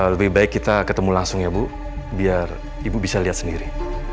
lebih baik kita ketemu langsung ya bu biar ibu bisa lihat sendiri